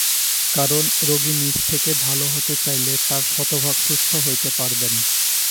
কারণ, রোগী নিজ থেকে ভালো হতে চাইলে তিনি শতভাগ সুস্থ হতে পারবেন।